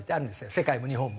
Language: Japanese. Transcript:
世界も日本も。